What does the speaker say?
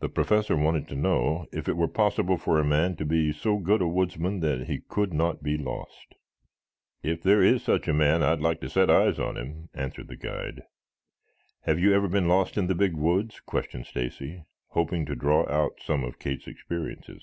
The Professor wanted to know if it were possible for a man to be so good a woodsman that he could not be lost. "If there is such a man I'd like to set eyes on him," answered the guide. "Have you ever been lost in the big woods?" questioned Stacy, hoping to draw out some of Cale's experiences.